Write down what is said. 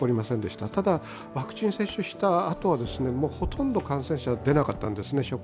ただ、ワクチン接種したあとはほとんど感染者は職員から出なかったんですね。